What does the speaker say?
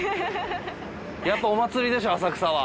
やっぱお祭りでしょう浅草は。